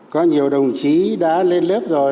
có nhiều đồng chí đã lên lớp rồi